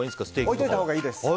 置いといたほうがいいです。